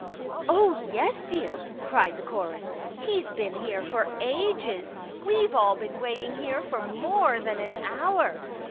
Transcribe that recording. " Oh, yes, dear," cried the chorus. *' He's been here for ages. We've all been waiting here for more than an hour."